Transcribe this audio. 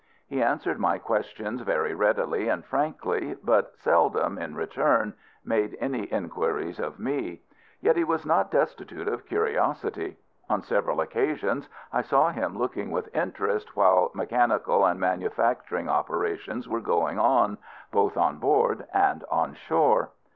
He answered my questions very readily and frankly, but seldom, in return, made any inquiries of me. Yet he was not destitute of curiosity. On several occasions I saw him looking with interest while mechanical and manufacturing operations were going on, both on board and on shore.